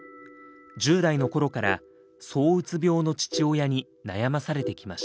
１０代の頃からそううつ病の父親に悩まされてきました。